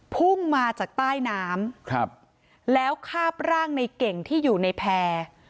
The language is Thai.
พุ่งมาจากใต้น้ำครับแล้วคาบร่างในเก่งที่อยู่ในแพร่